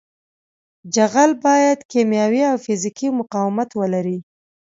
جغل باید کیمیاوي او فزیکي مقاومت ولري